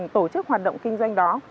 tổ chức hoạt động kinh doanh đó